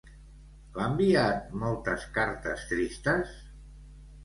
L'ha enviat moltes cartes tristes?